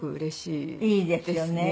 いいですよね